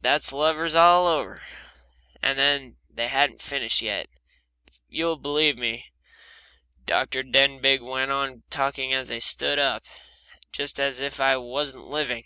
That's lovers all over. And they hadn't finished yet, if you'll believe me. Dr. Denbigh went on talking as they stood up, just as if I wasn't living.